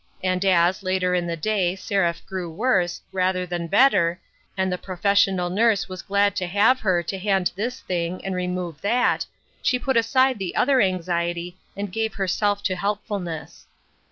And as, later in the day, Seraph grew worse, rather than better, and the professional nurse was glad to have her to hand this thing and remove that, she put aside the other anxiety and gave herself to helpfulness.